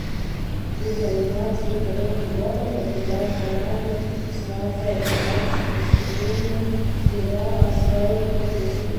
И в номинации "Кринж года" побеждает команда, снявшая двенадцатисерийный сериал о своей крутости.